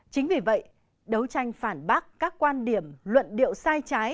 chính vì vậy đấu tranh phản bác các quan điểm luận điệu sai trái